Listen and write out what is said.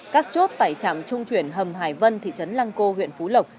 các chốt tại chạm trung thuyền hầm hải vân thị trấn lăng cô huyện phú lộc